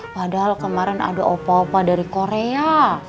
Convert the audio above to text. padahal kemarin ada opa opa dari korea